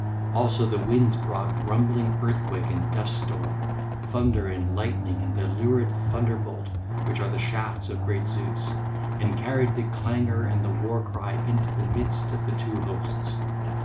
Also the winds brought rumbling earthquake and duststorm, thunder and lightning and the lurid thunderbolt, which are the shafts of great Zeus, and carried the clangour and the warcry into the midst of the two hosts.